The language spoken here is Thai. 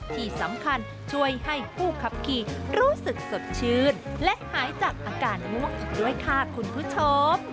ที่สำคัญช่วยให้ผู้ขับขี่รู้สึกสดชื่นและหายจากอาการมั่วอีกด้วยค่ะคุณผู้ชม